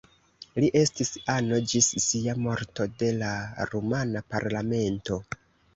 Li estis ano ĝis sia morto de la rumana parlamento.